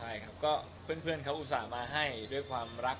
ใช่ครับก็เพื่อนเขาอุตส่าห์มาให้ด้วยความรัก